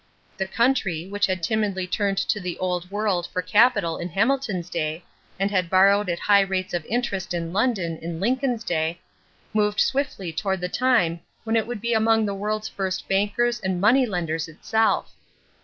The country, which had timidly turned to the Old World for capital in Hamilton's day and had borrowed at high rates of interest in London in Lincoln's day, moved swiftly toward the time when it would be among the world's first bankers and money lenders itself.